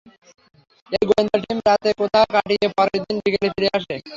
এই গোয়েন্দা টিম রাতে কোথাও কাটিয়ে পরের দিন বিকেলে ফিরে আসে।